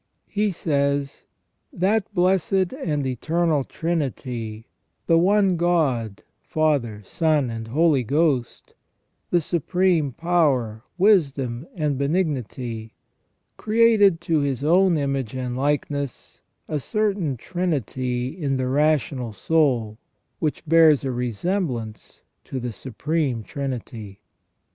He says :" That Blessed and Eternal Trinity, the one God, Father, Son, and Holy Ghost, the Supreme Power, Wisdom, and Benignity, created to His own image and likeness a certain trinity in the rational soul, which bears a resemblance to the Supreme Trinity.